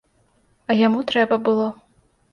А яму трэба было.